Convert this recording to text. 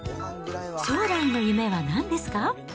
将来の夢はなんですか。